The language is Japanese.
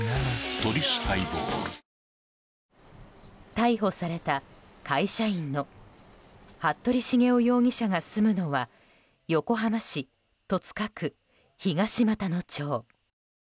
逮捕された会社員の服部繁雄容疑者が住むのは横浜市戸塚区東俣野町。